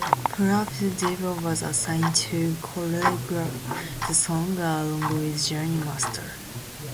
Prabhu Deva was assigned to choreograph the song along with Jani Master.